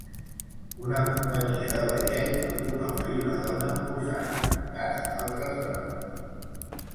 Una companyia de ballet amb un home i una dona posant envoltats d'altres dones.